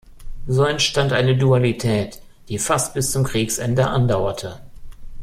So entstand eine Dualität, die fast bis zum Kriegsende andauerte.